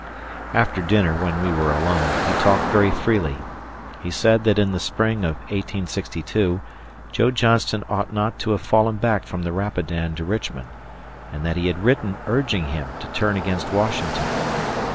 After dinner, when we were alone, he talked very freely. He said that in the spring of 1862, Joe Johnston ought not to have fallen back fromthe Rapidan to Richmond, and that he had written urging him to turn against Washington.